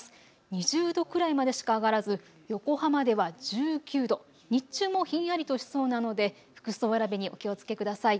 ２０度くらいまでしか上がらず横浜では１９度、日中もひんやりとしそうなので服装選びにお気をつけください。